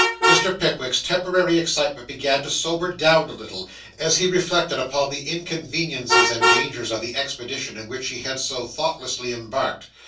Mr. Pickwick's temporary excitement began to sober down a little, as he reflected upon the inconveniences and dangers of the expedition in which he had so thoughtlessly embarked.